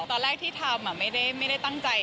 ตอนแรกที่ทำไม่ได้ตั้งใจ